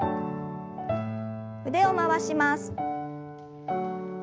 腕を回します。